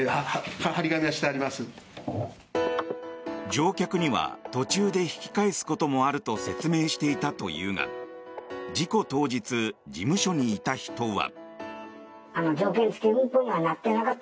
乗客には途中で引き返すこともあると説明していたというが事故当日、事務所にいた人は。